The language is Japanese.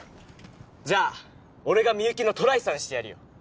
じゃあ俺がみゆきのトライさんしてやるよ